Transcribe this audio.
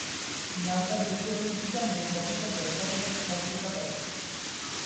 নাসা-জেপিএলের বিজ্ঞানী ও গবেষকরা এ কাজে তাকে সহযোগিতা করেন।